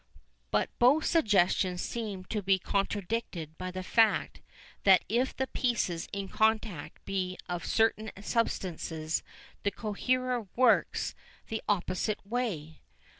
But both suggestions seem to be contradicted by the fact that if the pieces in contact be of certain substances the coherer works the opposite way.